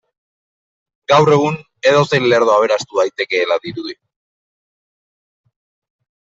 Gaur egun edozein lerdo aberastu daitekeela dirudi.